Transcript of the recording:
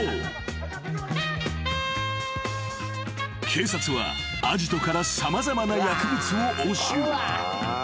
［警察はアジトから様々な薬物を押収］